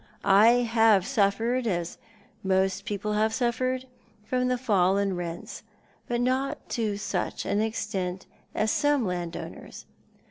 I have suffered, as most people have suffered, from the fall in rents— but not to such an extent as some land owners.